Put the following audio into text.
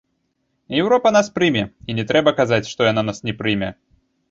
Еўропа нас прыме, і не трэба казаць, што яна нас не прымае.